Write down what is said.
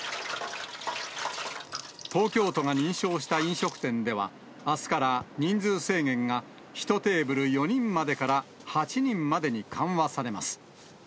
東京都が認証した飲食店では、あすから人数制限が１テーブル４人までから、８人までに緩和されます。